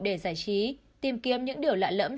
để giải trí tìm kiếm những điều lạ lẫm